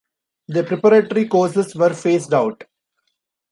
The preparatory courses were phased out.